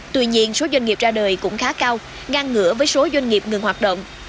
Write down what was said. tuy nhiên số doanh nghiệp ra đời cũng khá cao ngang ngửa với số doanh nghiệp ngừng hoạt động